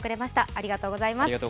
ありがとうございます。